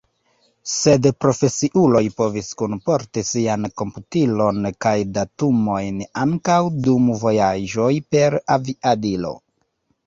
Sed profesiuloj povis kunporti sian komputilon kaj datumojn, ankaŭ dum vojaĝoj per aviadilo.